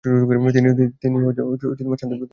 তিনি শান্তি পেতে থাকেন।